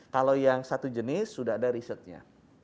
kalau yang satu jenis sudah ada risetnya